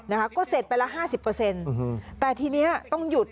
นะคะก็เสร็จไปละห้าสิบเปอร์เซ็นต์แต่ทีนี้ต้องหยุด